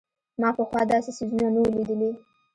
ما پخوا داسې څيزونه نه وو لېدلي.